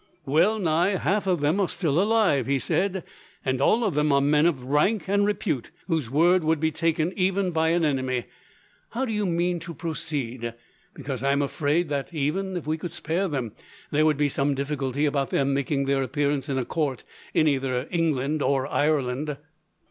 "Well nigh half of them are still alive," he said, "and all of them are men of rank and repute, whose word would be taken even by an enemy. How do you mean to proceed? Because I am afraid that, even if we could spare them, there would be some difficulty about their making their appearance in a court, in either England or Ireland."